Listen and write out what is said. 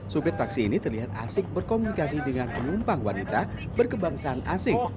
supir taksi ini terlihat asik berkomunikasi dengan penumpang wanita berkebangsaan asing